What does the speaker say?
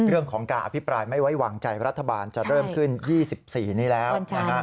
เรื่องของการอภิปรายไม่ไว้วางใจรัฐบาลจะเริ่มขึ้น๒๔นี้แล้ว